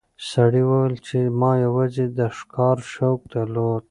سړي وویل چې ما یوازې د ښکار شوق درلود.